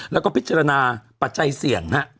แล้วก็พิจารณาปัจจัยเสี่ยง